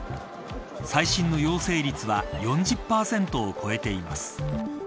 最新の陽性率は４０％を超えています。